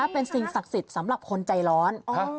เป็นสิ่งศักดิ์สิทธิ์สำหรับคนใจร้อน